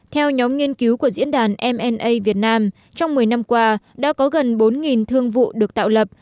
theo nhóm nghiên cứu của diễn đàn mna việt nam trong một mươi năm qua đã có gần bốn thương vụ được tạo lập